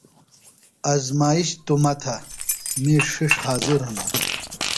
آزمائش توۡ مہ تھہ می ݜِݜ حاضر ہِنوۡ۔